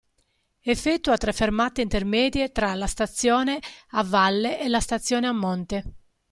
Effettua tre fermate intermedie tra la stazione a valle e la stazione a monte.